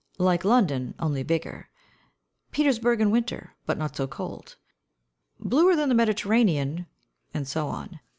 Like London, only bigger; Petersburg in winter, but not so cold; bluer than the Mediterranean, and so on.